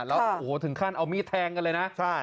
แล้วโอ้โหถึงขั้นเอามีดแทงกันเลยนะ